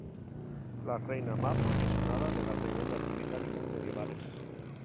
La reina Mab es un hada de las leyendas británicas medievales.